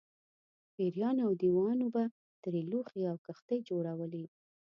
پېریانو او دیوانو به ترې لوښي او کښتۍ جوړولې.